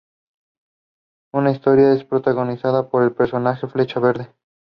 La historia es protagonizada por el personaje Flecha Verde.